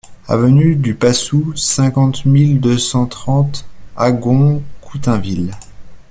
Avenue du Passous, cinquante mille deux cent trente Agon-Coutainville